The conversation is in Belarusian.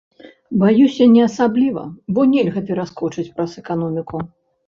Баюся, не асабліва, бо нельга пераскочыць праз эканоміку.